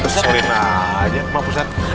besarin aja emang ustaz